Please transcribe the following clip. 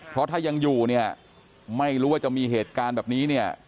เพราะถ้ายังอยู่เนี่ยไม่รู้ว่าจะมีเหตุการณ์แบบนี้เนี่ย